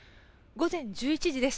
午前１１時です。